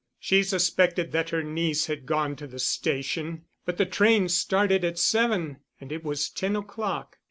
She suspected that her niece had gone to the station; but the train started at seven, and it was ten o'clock.